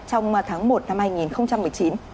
trong tháng một năm hai nghìn một mươi chín